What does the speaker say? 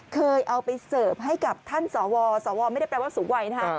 เคยเอาไปเสิร์ฟให้กับท่านสวสวไม่ได้แปลว่าสูงวัยนะคะ